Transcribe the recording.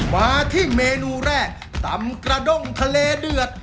มาที่เมนูแรกตำกระด้งทะเลเดือด